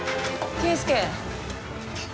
圭介！